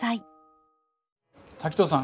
滝藤さん